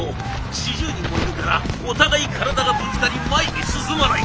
４０人もいるからお互い体がぶつかり前に進まない。